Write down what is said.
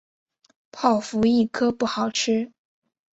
泡芙一颗不好吃